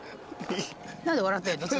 何で笑ってんの？